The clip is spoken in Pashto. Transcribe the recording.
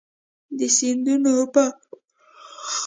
د سیندونو اوبه د انسانانو لپاره ضروري دي.